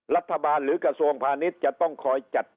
รัฐบาลหรือกระทรวงพาณิชย์จะต้องคอยจัด